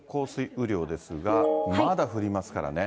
雨量ですが、まだ降りますからね。